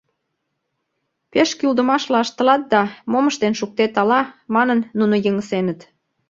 — Пеш кӱлдымашла ыштылат да мом ыштен шуктет ала, — манын, нуно йыҥысеныт.